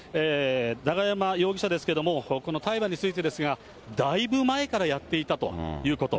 永山容疑者ですけれども、この大麻についてですが、だいぶ前からやっていたということ。